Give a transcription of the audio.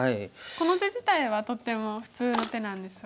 この手自体はとっても普通の手なんですが。